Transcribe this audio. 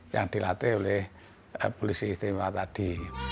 yang dilatih oleh polisi istimewa tadi